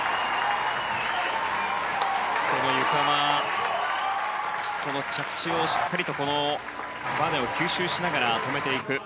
ゆかは、着地をしっかりとばねを吸収しながら止めていく。